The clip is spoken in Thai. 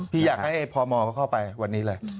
พี่อยากให้พมเขาเข้าไปวันนี้เลย